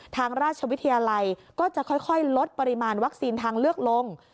ทางราชวิทยาลัยก็จะค่อยลดปริมาณวัคซีนทางเลือกลง